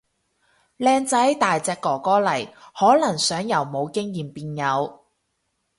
靚仔大隻哥哥嚟，可能想由冇經驗變有